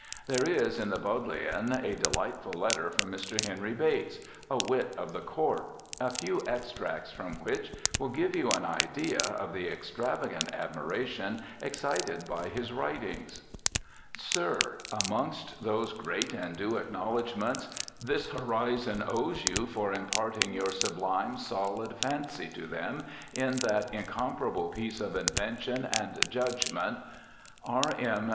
There is in the Bodleian a delightful letter from Mr. Henry Bates, a wit of the court, a few extracts from which will give you an idea of the extravagant admiration excited by his writings : 'Sir, — Amongst those great and due acknowledge ments this horizon owes you for imparting your sublime solid phansie to them in that incomparable piece of invention and judgement, R. M.